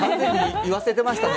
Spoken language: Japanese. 言わせてましたね。